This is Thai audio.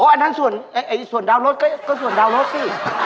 อันนั้นส่วนดาวรถก็ส่วนดาวรถสิ